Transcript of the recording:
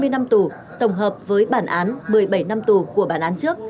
hai mươi năm tù tổng hợp với bản án một mươi bảy năm tù của bản án trước